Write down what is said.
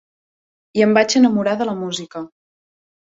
I em vaig enamorar de la música.